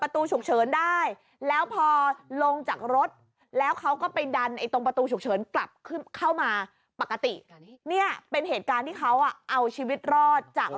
ตัวเขาก็ใส่เสื้อสีดำ